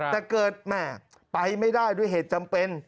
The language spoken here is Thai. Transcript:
แต่เกิดแม่ไปไม่ได้ด้วยเหตุจำเป็น